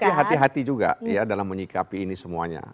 tapi hati hati juga ya dalam menyikapi ini semuanya